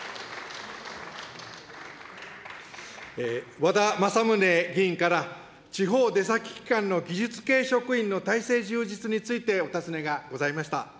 和田政宗議員から地方出先機関の技術系職員の体制充実についてお尋ねがございました。